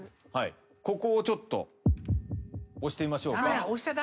ここをちょっと押してみましょうか。